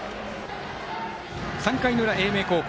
３回裏、英明高校。